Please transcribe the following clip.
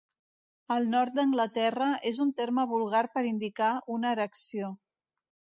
Al nord d'Anglaterra és un terme vulgar per indicar una erecció.